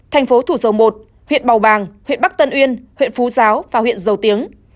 thành phố thủ dầu một huyện bào bàng huyện bắc tân uyên huyện phú giáo và huyện dầu tiếng